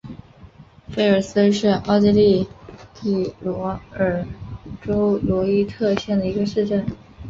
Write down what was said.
菲尔斯是奥地利蒂罗尔州罗伊特县的一个市镇。